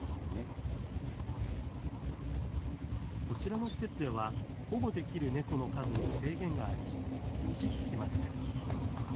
こちらの施設では、保護できる猫の数に制限があり、２０匹までです。